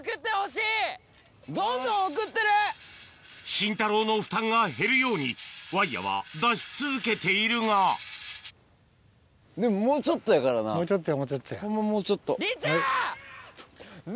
シンタローの負担が減るようにワイヤは出し続けているがもうちょっとやもうちょっとや。